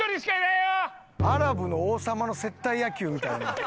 アラブの王様の接待野球みたいな。